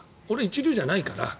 俺、一流じゃないから。